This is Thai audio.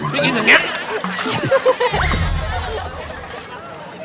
พี่กินอย่างเนี้ย